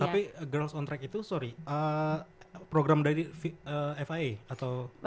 tapi girls on track itu program dari fia atau